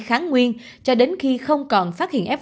kháng nguyên cho đến khi không còn phát hiện ảnh